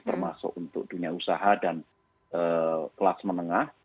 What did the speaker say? termasuk untuk dunia usaha dan kelas menengah